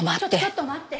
ちょっと待って。